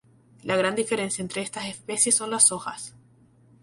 La gran diferencia entre estas especies son las hojas.